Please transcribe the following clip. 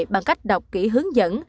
bằng cách đọc kỹ hướng dẫn